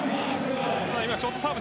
ショートサーブ